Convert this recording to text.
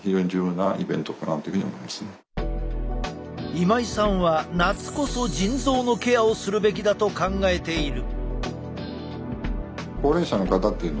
今井さんは夏こそ腎臓のケアをするべきだと考えている。